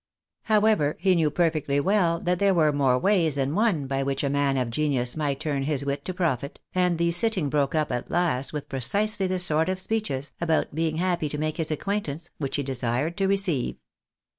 However, he knew perfectly well that there were more ways than one by which a man of genius might 270 THE BAKilAUVS Ul XZllll^lSA.. turn his wit to profit, and the sitting broke up at last witli pre cisely the sort of speeches, about being happy to make his acquaint ance, which he desired to receive.